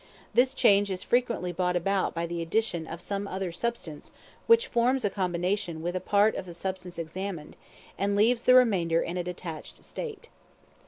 This change is frequently brought about by the addition of some other substance which forms a combination with a part of the substance examined, and leaves the remainder in a detached state.